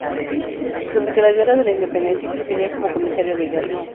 Durante la Guerra de la Independencia ejercería como comisario de guerra.